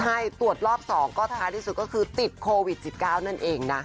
ใช่ตรวจรอบ๒ก็ท้ายที่สุดก็คือติดโควิด๑๙นั่นเองนะ